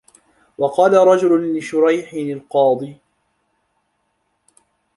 وَقَالَ رَجُلٌ لِشُرَيْحٍ الْقَاضِي